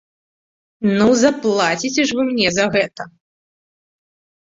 Ну заплаціце ж вы мне за гэта!